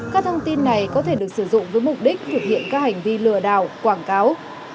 các thông tin này có thể được sử dụng với mục đích thực hiện các hành vi lừa đảo quảng cáo